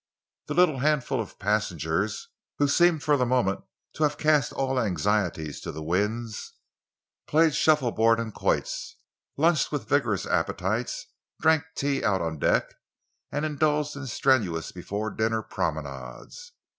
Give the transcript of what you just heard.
The little handful of passengers, who seemed for the moment to have cast all anxieties to the winds, played shuffleboard and quoits, lunched with vigorous appetites, drank tea out on deck, and indulged in strenuous before dinner promenades.